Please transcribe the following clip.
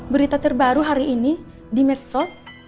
berita terbaru hari ini di medsos